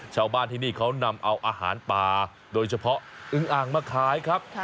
ชาวบ้านที่นี่เขานำเอาอาหารป่าโดยเฉพาะอึงอ่างมาขายครับ